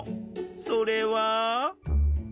それは。